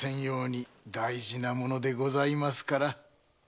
大事な物でございますから。